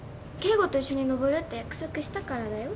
圭吾と一緒にのぼるって約束したからだよ。